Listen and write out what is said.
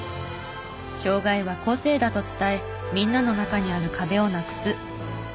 障がいは個性だと伝えみんなの中にある壁をなくす。